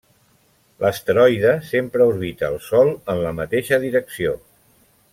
L'asteroide sempre orbita el Sol en la mateixa direcció.